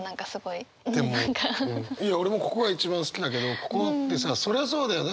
いや俺もここが一番好きだけどここってさそりゃそうだよだ